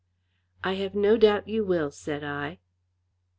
"I have no doubt you will," said I.